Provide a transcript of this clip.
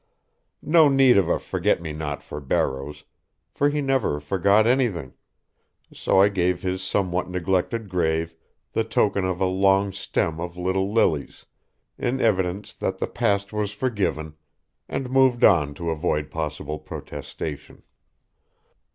No need of a forget me not for Barrows, for he never forgot anything, so I gave his somewhat neglected grave the token of a long stem of little lilies, in evidence that the past was forgiven, and moved on to avoid possible protestation.